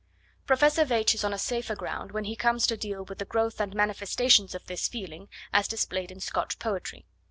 Professor Veitch is on a safer ground when he comes to deal with the growth and manifestations of this feeling as displayed in Scotch poetry.